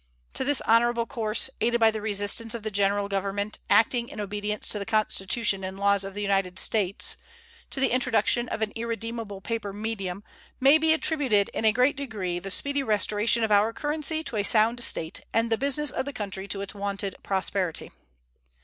To this honorable course, aided by the resistance of the General Government, acting in obedience to the Constitution and laws of the United States, to the introduction of an irredeemable paper medium, may be attributed in a great degree the speedy restoration of our currency to a sound state and the business of the country to its wonted prosperity.